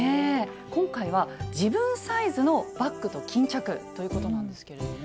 今回は自分サイズのバッグと巾着ということなんですけれども。